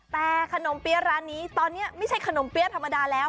แต่ขนมเปี๊ยะร้านนี้ตอนนี้ไม่ใช่ขนมเปี๊ยะธรรมดาแล้ว